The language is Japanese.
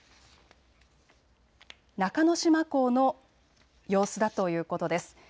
中之島港の様子だということです。